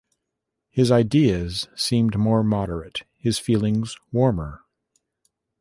His ideas seemed more moderate — his feelings warmer.